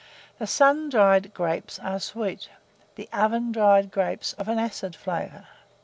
The sun dried grapes are sweet, the oven dried of an acid flavour.